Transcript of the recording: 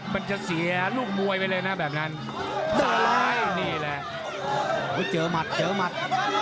มันจะเสียลูกมวยไปเลยนะแบบนั้นเจอร้ายนี่แหละเจอหมัดเจอหมัด